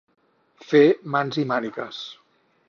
Fer mans i mànigues.